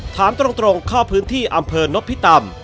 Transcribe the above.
ถามตรงเข้าพื้นที่อำเภอนพิตำ